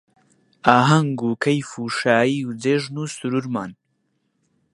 ئاهەنگ و کەیف و شایی و جێژن و سروورمان